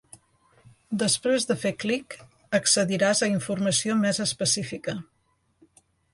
Després de fer clic, accediràs a informació més específica.